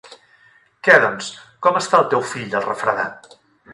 Què, doncs, com està el teu fill del refredat?